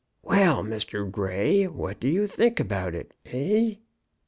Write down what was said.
"Well, Mr. Grey, what do you think about it; eh?"